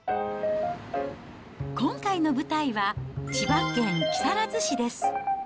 今回の舞台は、千葉県木更津市です。